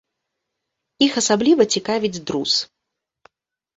Іх асабліва цікавіць друз.